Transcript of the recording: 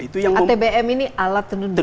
atbm ini alat tenun bukan mesin